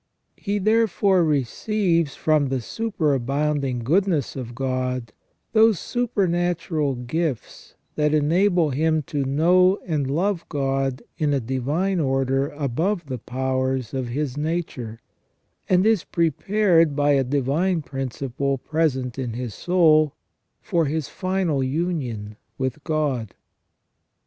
He therefore receives from the superabounding goodness of God those supernatural gifts that enable him to know and love God in a divine order above the powers of his nature, and is prepared by a divine principle present in his soul for his final union with God.